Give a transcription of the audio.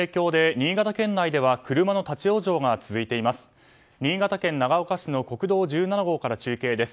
新潟県長岡市の国道１７号から中継です。